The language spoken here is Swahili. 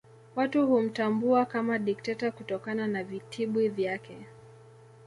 Watu humtambua kama dikteta kutokana na vitibwi vyake